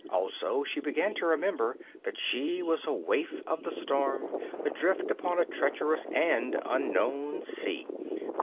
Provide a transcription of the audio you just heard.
Also she began to remember that she was a waif of the storm, adrift upon a treacherous and unknown sea.